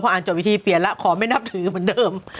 อ่านจบวิธีเปลี่ยนแล้วขอไม่นับถือเหมือนเดิม